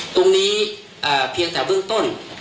ตรงนี้เพียงแต่เบื้องต้น